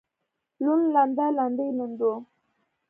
لوند لنده لندې لندو